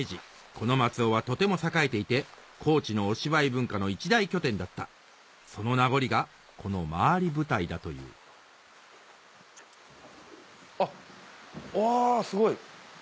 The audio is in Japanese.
この松尾はとても栄えていて高知のお芝居文化の一大拠点だったその名残がこの廻り舞台だというあっわすごい。